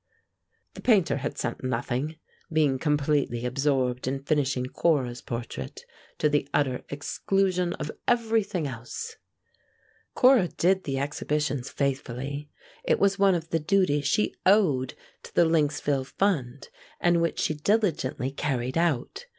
The Painter had sent nothing, being completely absorbed in finishing Cora's portrait, to the utter exclusion of everything else. Cora did the exhibitions faithfully. It was one of the duties she owed to the Lynxville fund, and which she diligently carried out.